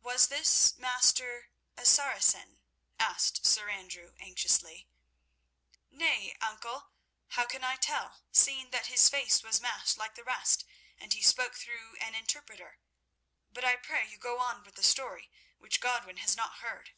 "Was this master a Saracen?" asked Sir Andrew, anxiously. "Nay, uncle, how can I tell, seeing that his face was masked like the rest and he spoke through an interpreter? But I pray you go on with the story, which Godwin has not heard."